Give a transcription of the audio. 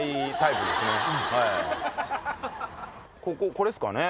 これっすかね